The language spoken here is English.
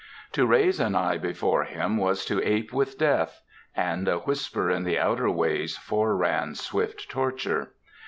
To raise an eye before him was to ape with death, and a whisper in the outer ways foreran swift torture.